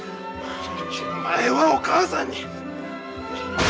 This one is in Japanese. お前はお母さんに。